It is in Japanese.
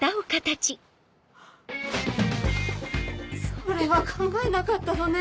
それは考えなかったのね。